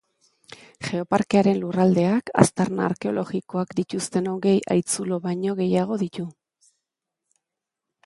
Geoparkearen lurraldeak aztarna arkeologikoak dituzten hogei haitzulo baino gehiago ditu.